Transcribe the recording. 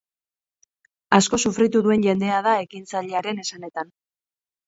Asko sufritu duen jendea da, ekintzailearen esanetan.